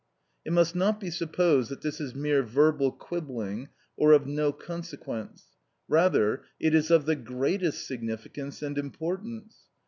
It must not be supposed that this is mere verbal quibbling or of no consequence; rather, it is of the greatest significance and importance.